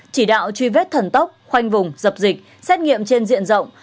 chỉ đạo truy vết thần tốc khoanh vùng dập dịch xét nghiệm trên diện rộng